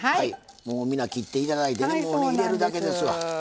もう皆切って頂いてねもう入れるだけですわ。